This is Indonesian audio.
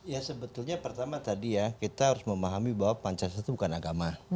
ya sebetulnya pertama tadi ya kita harus memahami bahwa pancasila itu bukan agama